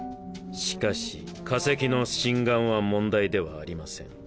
しかし化石の真贋は問題ではありません。